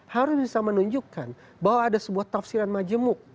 harus bisa menunjukkan bahwa ada sebuah tafsiran majemuk